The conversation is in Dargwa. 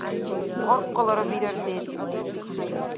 Къаркъалара бирар децӀ.